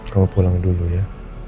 kamu pulang dulu ya